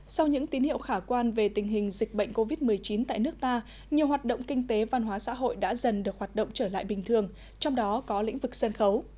sau những tín hiệu khả quan về tình hình dịch bệnh covid một mươi chín tại nước ta nhiều hoạt động kinh tế văn hóa xã hội đã dần được hoạt động trở lại bình thường trong đó có lĩnh vực sân khấu